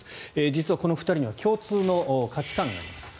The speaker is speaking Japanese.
実は、この２人の共通の価値観があります。